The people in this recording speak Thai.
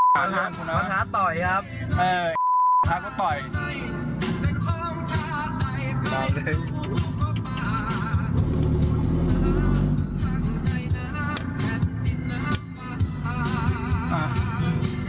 มันต้องหาเรื่องดิ